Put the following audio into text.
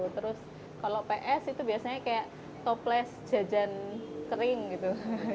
terus kalau ps itu biasanya kayak toples jajan kering gitu